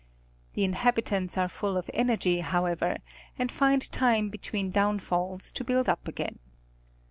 The inhabitants are full of energy, however, and find time between downfalls to build up again.